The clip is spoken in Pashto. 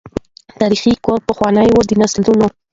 تاریخي کور پخوانی وو د نسلونو